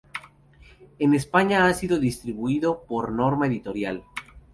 En España ha sido distribuida por Norma Editorial.